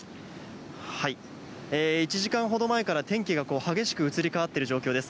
１時間ほど前から天気が激しく移り変わっている状況です。